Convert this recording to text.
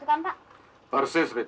dengan berusaha dan bekerja secara terhormat